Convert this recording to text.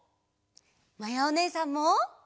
まやおねえさんも。